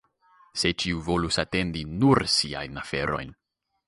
Se ĉiu volus atenti nur siajn aferojn.